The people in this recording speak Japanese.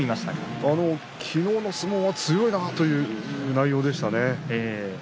昨日の相撲は強いなという内容でしたね。